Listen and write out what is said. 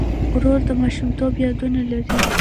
ورور د ماشومتوب یادونه لري.